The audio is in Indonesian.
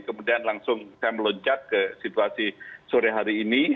kemudian langsung saya meloncat ke situasi sore hari ini